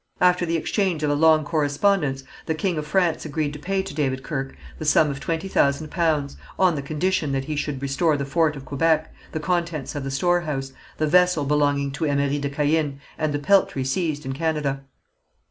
After the exchange of a long correspondence, the king of France agreed to pay to David Kirke the sum of twenty thousand pounds, on the condition that he should restore the fort of Quebec, the contents of the storehouse, the vessel belonging to Emery de Caën, and the peltry seized in Canada.